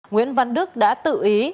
nguyễn văn đức đã tự ý